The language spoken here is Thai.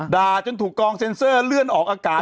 จนถูกกองเซ็นเซอร์เลื่อนออกอากาศ